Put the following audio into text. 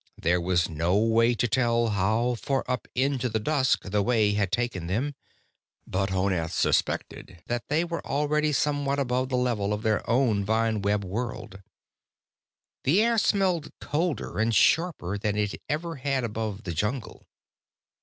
There was no way to tell how far up into the dusk the way had taken them, but Honath suspected that they were already somewhat above the level of their own vine web world. The air smelled colder and sharper than it ever had above the jungle.